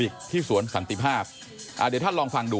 หกเกิดละแปดอีกละเติด